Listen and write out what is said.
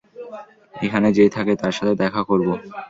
এখানে যে থাকে তার সাথে দেখা করব।